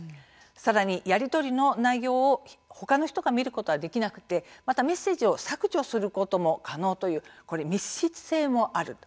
さらにやり取りの内容を他の人が見ることはできなくてメッセージを削除することも可能という密室性もある。